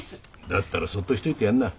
だったらそっとしといてやんな。